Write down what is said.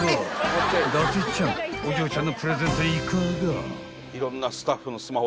［伊達ちゃんお嬢ちゃんのプレゼントいかが？］